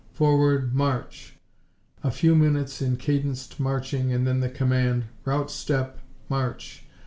Forward, March!" A few minutes in cadenced marching and then the command, "Rout step March!"